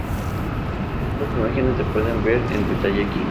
Estas imágenes se pueden ver en detalle aquí.